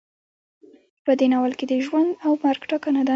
په دې ناول کې د ژوند او مرګ ټاکنه ده.